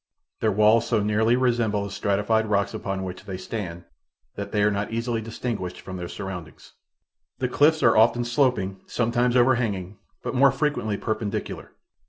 Their walls so nearly resemble the stratified rocks upon which they stand, that they are not easily distinguished from their surroundings. The cliffs are often sloping, sometimes overhanging, but more frequently perpendicular.